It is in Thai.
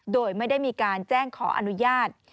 โดยไม่ได้มีการแจ้งขออนุญาต